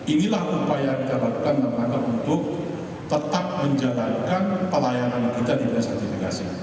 inilah upaya yang kita lakukan dalam rangka untuk tetap menjalankan pelayanan kita di bnsp